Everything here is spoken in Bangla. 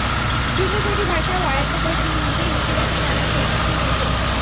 ভিন্ন ছয়টি ভাষাও আয়ত্ত করে তিনি নিজেই মিশে গেছেন নানান সংস্কৃতির মধ্যে।